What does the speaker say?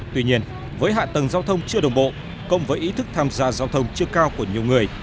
tuy nhiên với hạ tầng giao thông chưa đồng bộ cộng với ý thức tham gia giao thông chưa cao của nhiều người